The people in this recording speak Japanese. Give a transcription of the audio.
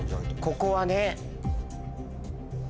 ここはね。